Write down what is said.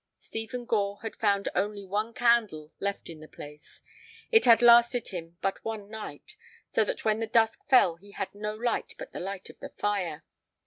Stephen Gore had found only one candle left in the place; it had lasted him but one night, so that when the dusk fell he had no light but the light of the fire.